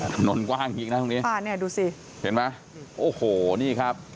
ถนนกว้างจริงนะตรงนี้ค่ะเนี่ยดูสิเห็นไหมโอ้โหนี่ครับ